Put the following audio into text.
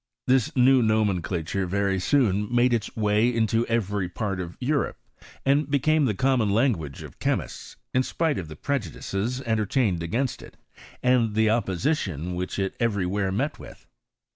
This new nomenclature very soon made its way into every part of Europe, and became the common language of chemists, in spite of the prejudices entertained gainst it, and the opposition which it every where met with.